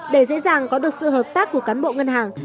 để dễ dàng có được sự hợp tác của cán bộ ngân hàng